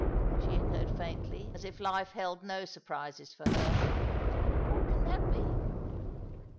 she echoed faintly, as if life held no surprises for her. " What can that be